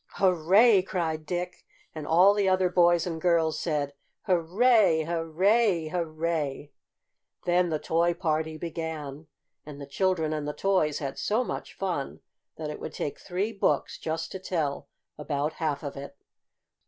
"Hurray!" cried Dick, and all the other boys and girls said: "Hurray! Hurray! Hurray!" Then the Toy Party began, and the children and the toys had so much fun that it would take three books just to tell about half of it.